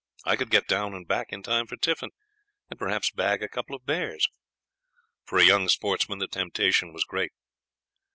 I could get down and back in time for tiffin, and perhaps bag a couple of bears. For a young sportsman the temptation was great.